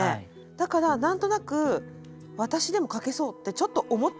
だから何となく「私でも書けそう」ってちょっと思っちゃうけど。